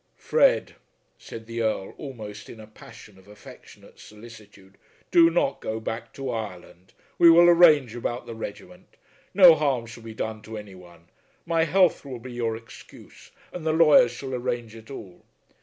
"Fred," said the Earl, almost in a passion of affectionate solicitude, "do not go back to Ireland. We will arrange about the regiment. No harm shall be done to any one. My health will be your excuse, and the lawyers shall arrange it all."